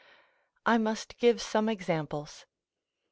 I must give some examples.